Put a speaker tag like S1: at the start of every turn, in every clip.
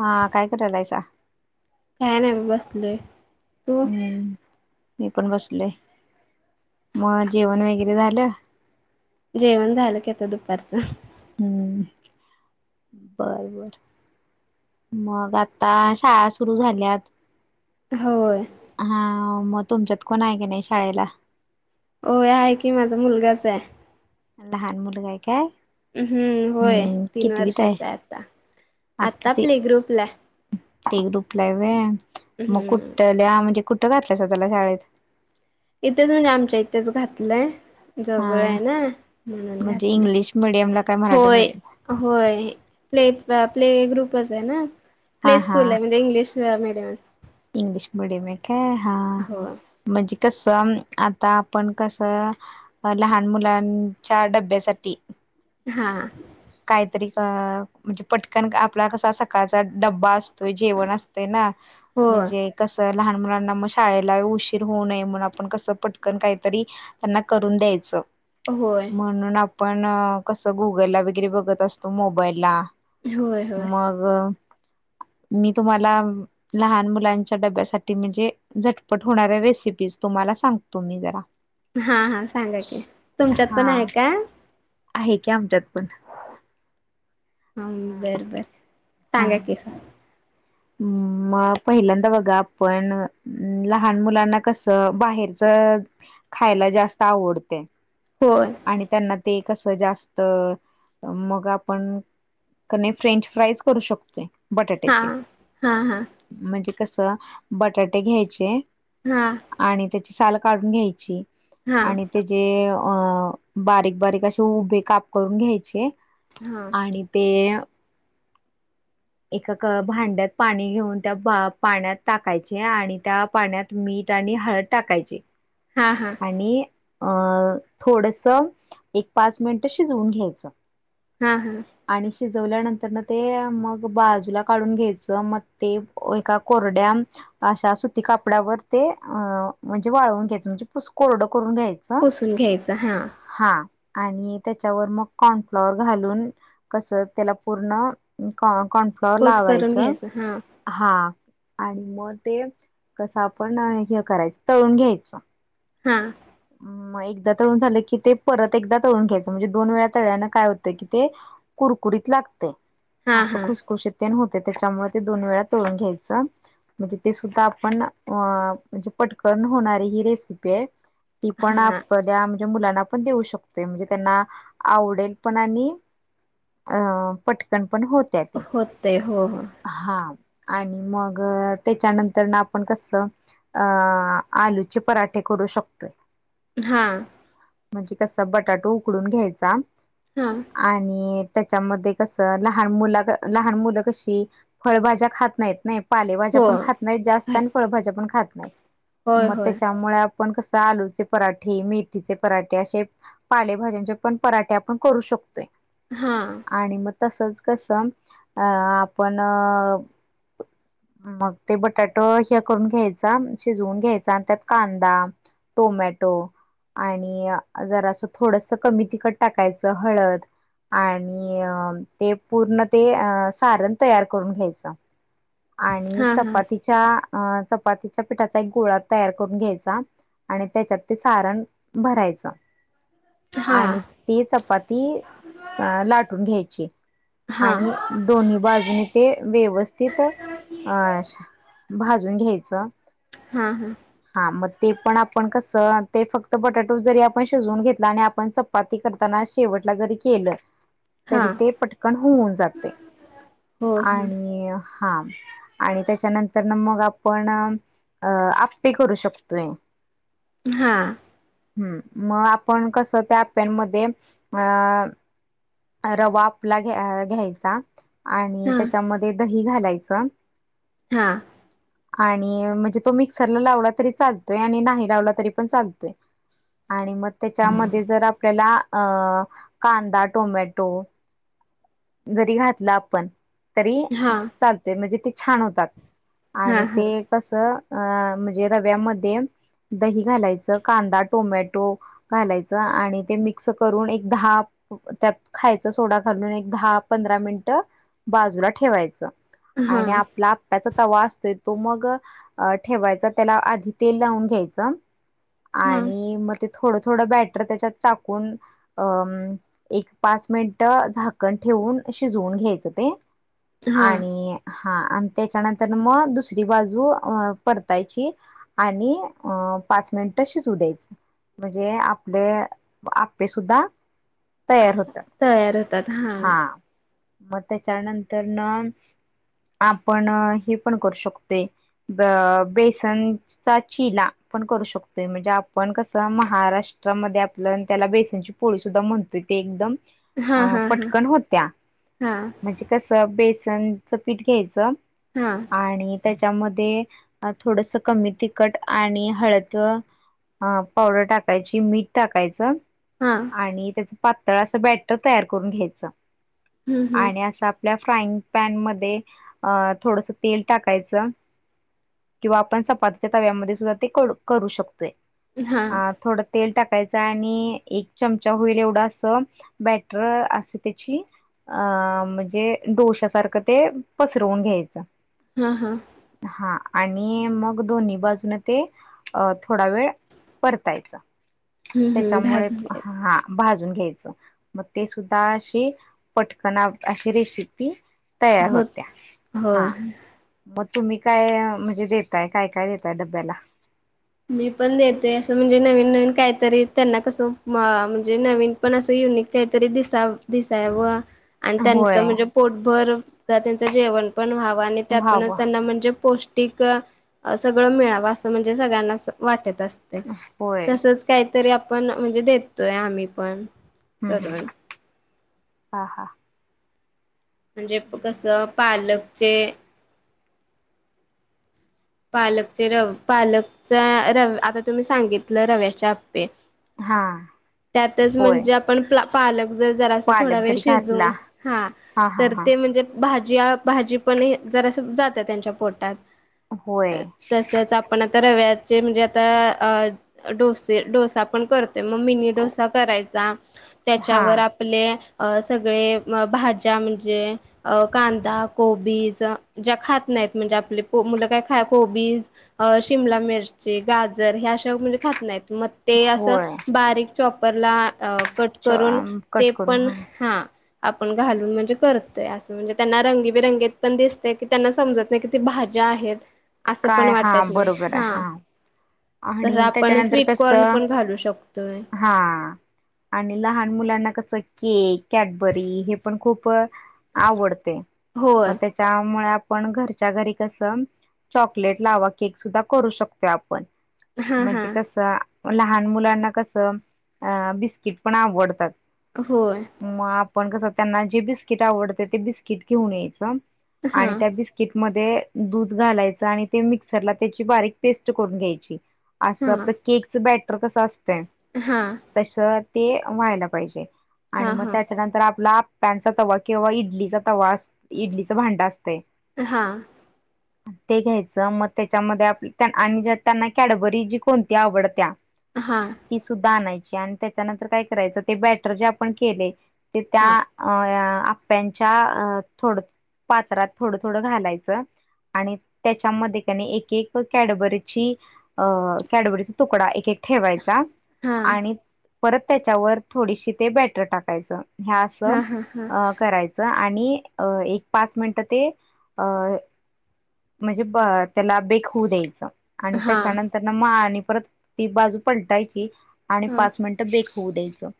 S1: हा, काय करायलासा.
S2: काय नाही म बसलोय तू
S1: हम्म मी पण बसलोय मग जेवण वगैरे झालं
S2: जेवण झालं की आता दुपारचं
S1: हम्म बर, बर मग आता, शाळा सुरू झाल्यात.
S2: होय
S1: हा मग तुमच्यात कोण आहे का नाही शाळेला
S2: होय आहे की माझा मुलगाच आहे
S1: लहान मुलगा आहे काय?
S2: अ हम्म होय
S1: हम्म
S2: तीन
S1: कितवीत
S2: वर्षाच आहे आता, आता प्ले ग्रुपला
S1: प्ले ग्रुपला होय. मग
S2: हम्म
S1: कुठल्या म्हणजे, कुठं घातलायसा त्याला शाळेत.
S2: इथेच म्हणजे आमच्या इथेच घातलंय
S1: हा
S2: जवळ आहे ना, म्हणून
S1: म्हणजे
S2: घालतंय
S1: इंग्लिश मिडियमला काय मराठी
S2: होय.
S1: मिडियम
S2: होय. प्ले प्ले ग्रुपच आहे ना,
S1: हा
S2: प्ले
S1: हा
S2: स्कूल आहे म्हणजे इंग्लिश. ह मिडीयम
S1: इंग्लिश मिडीयम का हा
S2: होय
S1: म्हणजे कसं आता आपण कस लहान मुलांच्या डब्यासाठी
S2: हा
S1: काहीतरी का म्हणजे पटकन आपला कसा सकाळचा डब्बा असतोय जेवण अस ते ना
S2: होय
S1: म्हणजे कसं लहान मुलांना मग शाळेला उशीर होऊ नये म्हण आपण कसं पटकन काहीतरी त्यांना करून द्यायचं
S2: होय
S1: म्हणून आपण अ कसं गुगल ला वगैरे बघत असतो मोबाईलला
S2: होय होय
S1: मग मी तुम्हाला लहान मुलांच्या डब्यासाठी म्हणजे झटपट होणाऱ्या रेसिपीज तुम्हाला सांगतो मी जरा
S2: हा, हा सांगा की तुमच्यात
S1: हा
S2: पण आहे काय
S1: आहे की आमच्यात पण
S2: हम,
S1: हम्म.
S2: बरं बर सांगा कि सांग.
S1: मम मग पहिल्यांदा बघा आपण लहान मुलांना कसं बाहेरच खायला जास्त आवडतय
S2: होय
S1: आणि त्यांना ते कसं जास्त मग आपण कने फ्रेंच फ्राईज करू शकतोय
S2: हा,
S1: बटाट्याचे
S2: हा, हा
S1: म्हणजे कसं बटाटे घ्यायचे
S2: हा.
S1: आणि त्याची साल काढून घ्यायची
S2: हा
S1: आणि त्या जे अ बारीक, बारीक असे उभे काप करून घ्यायचे
S2: हा
S1: आणि ते अ एका भांड्यात पाणी घेऊन त्या पाण्यात टाकायचे आणि त्या पाण्यात मीठ आणि हळद टाकायची.
S2: हा, हा
S1: आणि अ थोडंसं एक पाच मिनटं शिजवून घ्यायचं.
S2: हा, हा.
S1: आणि शिजवल्यानंतरन ते मग बाजूला काढून घ्यायचं, मग ते एका कोरड्या अशा सुती कापड्यावर ते अ म्हणजे वाळवून घ्यायचं म्हणजे पुस कोरडं करून घ्यायचं.
S2: पुसून घ्यायचं हा.
S1: हा आणि त्याच्यावर मग कॉर्नफ्लॉवरवर घालून कस त्याला पूर्ण कॉन-कॉर्नफ्लॉवर
S2: कोट करून
S1: लावायचं.
S2: घ्यायचं हा
S1: हा आणि मग ते कसं आपण हे करायचं तळून घ्यायचं. ‌
S2: हा.
S1: मग एकदा तळून झालं की ते परत एकदा तळून घ्यायचं म्हणजे दोन वेळा तळल्यानं काय होतंय कि ते कुरकुरीत लागतंय.
S2: हा
S1: असं
S2: हा
S1: खुसखुशीत तेन होतंय. त्याच्यामुळे ते दोन वेळा तळुन घ्यायचं. म्हणजे ते सुद्धा आपण अ म्हणजे पटकन होणारी हि रेसिपी आहे. ती पण
S2: हा
S1: आपल्या म्हणजे मुलांना पण देऊ शकतोय. म्हणजे त्यांना आवडेल पण आणि अ पटकन पण होत.
S2: होतंय हो हो.
S1: हा आणि मग त्याच्यानंतर ना आपण कसं अ आलूचे पराठे करू शकतोय.
S2: हा.
S1: म्हणजे कसं बटाटू उकडून घ्यायचा.
S2: हा.
S1: आणि त्याच्यामध्ये कसं लहान मुला लहान मुलं कशी फळभाज्या खात नाहीत नाही. पालेभाज्या
S2: हो
S1: पण खात नाहीत जास्त आणि फळभाज्या पण खात नाहीत.
S2: होय
S1: मग
S2: होय
S1: त्याच्यामुळे पण कसं आलू चे पराठे, मेथीचे पराठे अशे पालेभाज्यांचे पण पराठे आपण करू शकतोय.
S2: हा.
S1: आणि मग तसच कसं अ आपण मग ते बटाटू हे करून घ्यायचा, शिजवून घ्यायचा आणि त्यात कांदा टोमॅटो आणि अ जरासं थोडंसं कमी तिखट टाकायचं. हळद आणि अ ते पूर्ण ते अ सारण तयार करून घ्यायचं. आणि
S2: हा हा
S1: चपातीच्या अ चपातीच्या पिठाचा एक गोळा तयार करून घ्यायचा. आणि त्याच्यात ते सारण भरायचं. आणि
S2: हा
S1: ते चपाती अ लाटून घ्यायची
S2: हा
S1: आणि
S2: हा
S1: दोन्ही बाजून तेे व्यवस्थित अशा भाजून घ्यायचं.
S2: हा, हा.
S1: हा मग ते पण आप पण कसं ते फक्त बटाटो जरी आपण शिजवून घेतला आणि आपण चपाती करताना शेवटला जरी केलं
S2: हा
S1: तरी ते पटकन होऊन जातंय
S2: हो हो
S1: आणि हा. आणि त्याच्यानंतरनं मग आपण अ आप्पे करू शकतोय.
S2: हा.
S1: हम्म, मग आपण कसं त्या पॅनमध्ये अ रवा आपला घ-घ्यायचा. आणि
S2: हा
S1: त्याच्यामध्ये दही घालायचं.
S2: हां.
S1: आणि म्हणजे, तो मिक्सरला लावला तरी चालतोय आणि नाही. झाल तरी पण चालतंय, आणि मग त्यांच्यामध्ये जर आपल्याला. अ कांदा, टोमॅटो. घरी घातलं आपण तरी
S2: हा.
S1: चालते म्हणजे, ते छान होतात आणि ते. कसं अ- म्हणजे रव्यामध्ये, दही घालायचं कांदा टोमॅटो. घालायचं आणि ते मिक्स करून, एक दहा त्यात खायच सोडा घालून एक, दहा पंधरा मिनिट बाजूला ठेवायचं.
S2: हा हा
S1: आणि आपला, त्याचा तवा असतोय तो मग, ठेवायचा त्याला आधी तेल लावून घ्यायचा.
S2: हा
S1: आणि मग तींत थोडं थोडं बॅटर त्याच्यात टाकून, अ एक पाच मिनिट झाक कन ठेवून शिजवून घ्यायचं. ते
S2: हा
S1: आणि, हा, आणि त्याच्यानंतर मग दुसरी बाजू परतायची. आणि अ- पाच मिनिट शिजू द्यायचं. म्हणजे आपले आप्पे सुुद्धा तयार होतात.
S2: तयार होत.
S1: हा, मग त्याच्यानंतरन. आपण हे पण करू शकतोय, ब- बेसन. [unintelligible] चिला पण करू शकतोय. म्हणजे, आपण कस महाराष्ट्रामध्ये आपलं त्याला बेसनची पो पोळी सुद्धा म्हणतोय, की एकदम
S2: हा
S1: अ
S2: हा. हा
S1: पटकन होत्या.
S2: हा
S1: म्हणजे कसं बेसनचं पीठ घ्यायचं.
S2: हा.
S1: आणि त्यांच्यामध्ये, थोडंसं कमी तिखट आणि हळद. हा, पावडर टाकायची मीठ टाकायचं.
S2: हा.
S1: आणि त्याच पातळ अस बॅटर तयार करून घ्यायचं.
S2: हम्म
S1: आणि
S2: हम्म
S1: अस, आपल्या फ्राईंग पॅन मध्ये, अ- थोडंसं तेल टाकायचं. किंवा आपण चपातीच्या तव्यामध्ये सुद्धा ते करू शकतोय.
S2: हा
S1: अ थोडं तेल टाकायचं आणि, एक चमचा होईल एवढं अस बॅट र आस त्यांची. अ- म्हणजे डोश्यासारखं ते पसरवून घ्यायचं.
S2: हा हा.
S1: हा आणि मग दोन्ही बाजून ते, अ थोडा वेळ. परतायत
S2: हम्म हम्म दहा
S1: त्यांच्यामुळे
S2: झाले
S1: हां. भाजून घ्यायचं. मग ते सुद्धा असे पटकन अशी रेसिपी. तयार
S2: होत
S1: होत्या
S2: होय
S1: हा. मग तुम्ही काय म्हणजे, देताय काय काय देताय डब्याला.
S2: मी पण देते असं म्हणजे, नवीन नवीन काहीतरी त्यांना कसं म्हणजे नवीन. तेन असं युनिक काय तरी दिसा-दिसाव. आणि त्यांच
S1: होय
S2: म्हणजे, पोटभर त्यांचं जेवण पण व्हावं. आणि त्यातूनच
S1: व्हावं.
S2: त्यांना म्हणजे पोष्टी ठीक हे सगळं मिळावं असं, म्हणजे सगळ्यांना अस वाटत असतं
S1: होय
S2: तसच. काहीतरी आपण म्हणजे, देतोय आम्ही पण.
S1: हम्म
S2: करून
S1: हम्म, हा हा..
S2: म्हणजे कसं पालकचे. पालकचे रव पालकचा रव, आता तुम्ही सांगितलं रव्याचे आप्पे.
S1: हा
S2: त्यातच
S1: होय
S2: म्हणजे आप पण पालक जर जरा असं थोडा
S1: पालक
S2: वेळ
S1: जरी घातला
S2: शिजून हा,
S1: हा
S2: तर
S1: हा
S2: ते म्हणजे भाजीया भाजी पण, जरास जाते त्यांच्या पोटात.
S1: होय
S2: तसंच आपण आता रव्याचे म्हणजे, आता अ डोसे डोसा पण करतो. मग मिनी डोसा करायचा.
S1: हा
S2: त्यांच्यावर आप आपले सगळे भाज्या म्हणजे, अ कांदा कोबीज ज्या खात नाहीत, म्हणजे आपले मुलं काय. कोबीज, शिमला, मिरची, गाजर ह्या अशा मुलं खात नाहीत मगं. ते असं,
S1: होय
S2: बारीक चॉपरला कट करून ते
S1: कट करून
S2: पण हा. आपण घालून म्हणजे करतोय असं, म्हणजे त्यांना रंगीबिरंगीत पण दिसत की त्यांना समजत. तेकी किती भाज्या आहेत, असं पण
S1: काय हा
S2: वाटत नाही
S1: बरोबर आहे
S2: हां.
S1: हा
S2: तसं
S1: आणि
S2: आपण
S1: त्याच्यानंतर
S2: स्वीटकॉर्न
S1: कसं
S2: पण घालू शकतोय.
S1: हा. आणि लहान मुलांना कसं, केक कॅडबरी हे पण खूप. आवडते. मग
S2: होय
S1: त्यांच्यामुळ आपण घरच्या घरी कसं. चॉकलेट लावा केक सुद्धा करू शकतो. आपण
S2: हा हा
S1: म्हणजे कसं, लहान मुलांना कसं, अ बिस्किट पण आवडतात.
S2: होय.
S1: मग आपण कसं त्यांना जे बिस्किट आवडतं ते, बिस्किट घेऊन यायचं
S2: हा
S1: आणि त्या बिस्क किट मध्ये दूध घालायच, आणि ते मिक्सरला त्याची बारीक पेस्ट करून घ्यायची.
S2: हा
S1: असं आपलं केकच बॅटर कसं असतंय.
S2: हा.
S1: तस ते व्हायला पाहिजे,
S2: हा
S1: आणि
S2: हा
S1: मग
S2: हा
S1: त्याच्यानंतर आपला. पॅनचा तवा किंवा इडलीचा तवा, इडलीच भांड असतंय.
S2: हां.
S1: ते घ्यायचं. मग त्यांच्यामध्ये आपली आणि त्यांना कॅडबरी जी कोणती आवडत्या.
S2: हां.
S1: ती सुद्धा आणायची, आणि त्याच्यानंतर काय करायचं ते बॅटर जे आपण केले. ते त्या, अ.. आ... त्यांच्या थोड पात्रात थोडं थोडं घालायचं आणि, त्यांच्यामध्ये कनी एक एक कॅडबरीची अं, कॅडबरीचा तुकडा एक एक. ठेवायचा,
S2: हा
S1: आणि परत त्यांच्यावर थोडीशी ते बॅटर टाकायचं. हा, असं करायचं आणि, अ एक पाच मिनटं ते अ... म्हणजे ब त्याला बेक होऊ द्यायचं. आणि
S2: हा
S1: त्याच्यानंतर, त्यांना मग आणि परत, ती बाजू पलटायची आणि पाच मिनिटं बेक होऊ द्यायचं.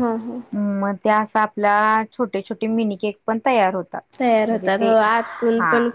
S2: हा हा.
S1: मग त्या असं, आपल्या छोटे छोटे मिनी केेक पण तयार होतात.
S2: तयार
S1: म्हणजे
S2: होतात
S1: ते
S2: होय, आतून
S1: हा
S2: पण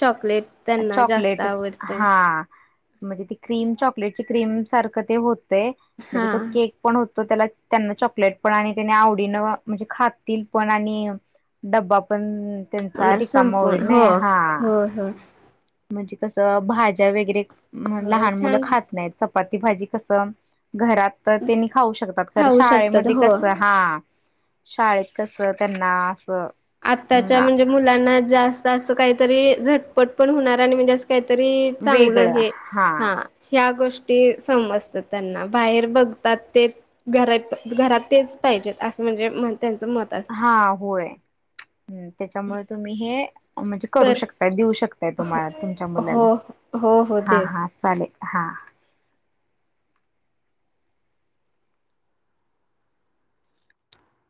S2: चॉकलेट. त्यांना जास्त
S1: चॉकलेट
S2: आवडतय
S1: हां. म्हणजे ती क्रीम चॉकलेटची क्रीम सारखं ते होतंय.
S2: हा
S1: म्हणजे तो केक, पण होत त्याला त्यांना चॉकलेट. पण आणि त्यांनी आवडीन म्हणजे खातील पण आणि, डब्बा पण त्यांचा रिकामा होईल ना हां.
S2: हं हं.
S1: म्हणजे कसं, भाज्या वगैरे
S2: हो
S1: लहान मुलं
S2: छान
S1: खात नाहीत. चपाती भाजी कसं घरात, तर त्यांनी खाऊ शकतात तर
S2: खाऊ शकतात
S1: शाळेमध्ये
S2: हो
S1: कस हा. शाळेत कसं, त्यांना असं.
S2: आताच्या म्हणजे मुलांना जास्त असं काहीतरी, झटपट पण होणार आणि म्हणजे कसं. काहीतरी चांगलं
S1: वेगळं
S2: हे,
S1: हा
S2: हां. ह्या गोष्टी समजत त्यांना, बाहेर बघतात ते. घरात -घरात तेच पाहिजेत. असं म्हणजे, त्यांचं मत असतं.
S1: हा होय, तेच्यामुळे तुम्ही हे म्हणजे करू
S2: कर
S1: शकता देऊ शकता. तुम्हांला तुमच्या मुलाला,
S2: हो हो हो
S1: हा
S2: दे
S1: हा चालेल हां.